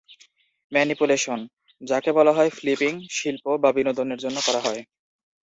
Manipulation, যাকে বলা হয় ফ্লিপিং, শিল্প বা বিনোদনের জন্য করা হয়।